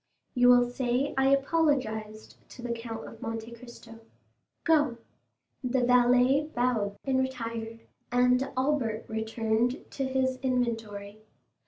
"You will say I apologized to the Count of Monte Cristo. Go." The valet bowed and retired, and Albert returned to his inventory.